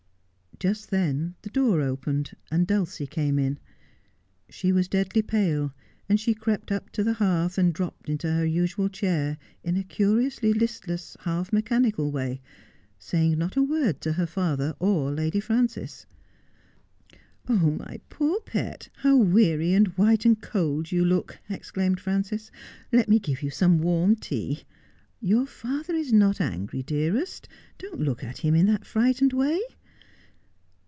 Just then the door opened and Dulcie came in. She was deadly pale, and she crept to the hearth and dropped into her usual chair in a curiously listless, half mechanical way, saying not a word to her father or Lady Frances. 'My poor pet, how weary and white and cold you look!' exclaimed Frances. ' Let me give you some warm tea. Your father is not angry, dearest. Don't look at him in that frightened way.'